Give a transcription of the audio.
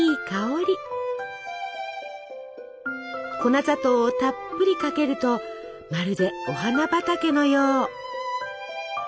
粉砂糖をたっぷりかけるとまるでお花畑のよう。